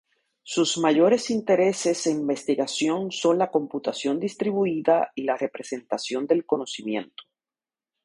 Sus mayores intereses en investigación son la computación distribuida y la representación del conocimiento.